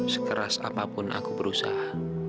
sekeras apapun aku berusaha